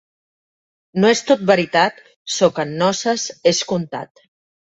No és tot veritat ço que en noces és contat.